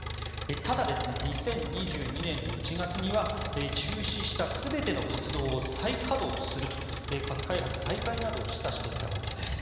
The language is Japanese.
ただ、２０２２年の１月には中止した全ての活動を再稼働すると核開発再開などを示唆していたわけです。